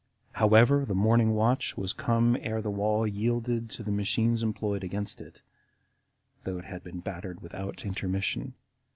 However, the morning watch was come ere the wall yielded to the machines employed against it, though it had been battered without intermission.